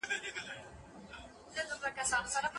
سوداګرو خپلې پيسي په ګټورو کارونو کي ولګولي.